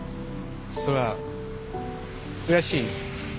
それはうれしい。